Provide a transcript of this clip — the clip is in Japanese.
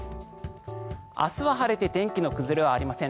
明日は晴れて天気の崩れはありません。